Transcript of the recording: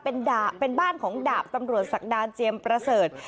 เป็นบ้านของดาบตำรวจศักดาเจียมประเสริฐ